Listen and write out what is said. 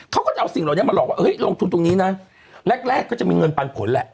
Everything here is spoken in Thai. เขาก็จะเอาสิ่งเหล่านี้มาหลอกว่าเฮ้ยลงทุนตรงนี้นะแรกก็จะมีเงินปันผลแหละ